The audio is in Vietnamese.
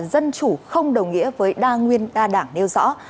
dân chủ không đồng nghĩa với đa nguyên đa đảng nêu rõ